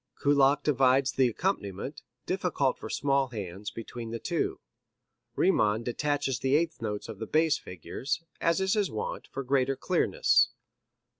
Kullak divides the accompaniment, difficult for small hands, between the two. Riemann detaches the eighth notes of the bass figures, as is his wont, for greater clearness.